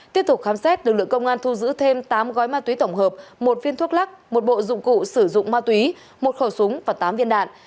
tiếp tục khám xét lực lượng công an thu giữ thêm tám gói ma túy tổng hợp một viên thuốc lắc một bộ dụng cụ sử dụng ma túy một khẩu súng và tám viên đạn